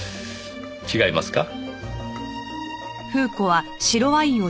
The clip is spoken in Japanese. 違いますか？